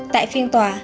tại phiên tòa